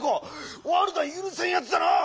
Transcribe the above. ワルダゆるせんやつだなぁ！